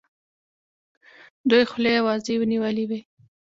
دوی خولې وازي نیولي وي.